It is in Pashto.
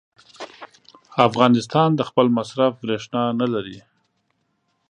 افغانستان د خپل مصرف برېښنا نه لري.